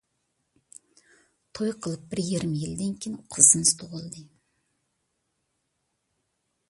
توي قىلىپ بىر يېرىم يىلدىن كېيىن قىزىمىز تۇغۇلدى.